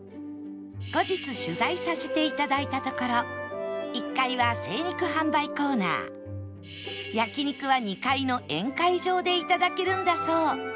後日取材させて頂いたところ１階は精肉販売コーナー焼肉は２階の宴会場で頂けるんだそう